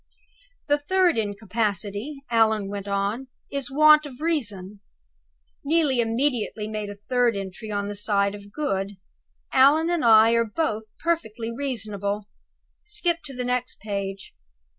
"'The third incapacity,'" Allan went on, "'is want of reason.'" Neelie immediately made a third entry on the side of "Good": "Allan and I are both perfectly reasonable. Skip to the next page."